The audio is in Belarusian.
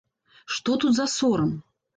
Што тут за сорам?